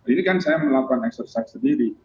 ini kan saya melakukan eksersif sendiri